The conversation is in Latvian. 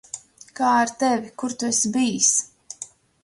Kā ar tevi, kur tu esi bijis?